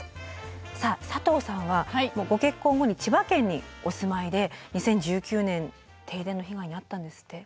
さあ佐藤さんはご結婚後に千葉県にお住まいで２０１９年停電の被害に遭ったんですって？